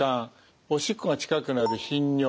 おしっこが近くなる頻尿。